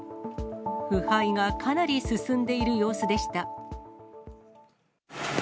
腐敗がかなり進んでいる様子でした。